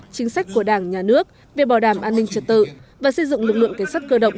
chính sách của đảng nhà nước về bảo đảm an ninh trật tự và xây dựng lực lượng cảnh sát cơ động